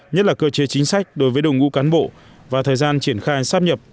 nhất là cơ chế chính sách đối với đồng ngũ cán bộ và thời gian triển khai sắp nhập